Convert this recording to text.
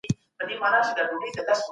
د استازي اعزاز ترلاسه کول اسانه کار نه دی.